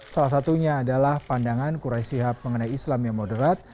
salah satunya adalah pandangan quraisyihab mengenai islam yang moderat